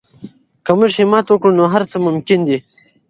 که موږ همت وکړو نو هر څه ممکن دي.